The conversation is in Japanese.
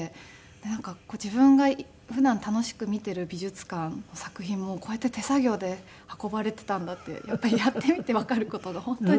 なんか自分が普段楽しく見ている美術館の作品もこうやって手作業で運ばれていたんだってやってみてわかる事が本当に。